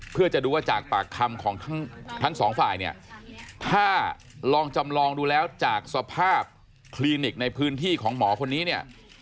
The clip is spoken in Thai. เพื่อจะดูว่าจากปากคำของทั้งสองฝ่ายเนี่ยถ้าลองจำลองดูแล้วจากสภาพคลินิกในพื้นที่ของหมอคนนี้เนี่ย